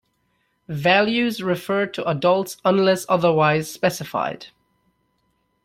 Values refer to adults unless otherwise specified.